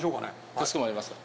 かしこまりました。